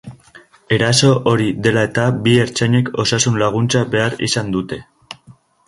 Eraso hori dela eta, bi ertzainek osasun-laguntza behar izan dute.